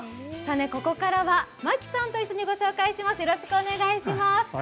ここからは槇さんと一緒にお送りします。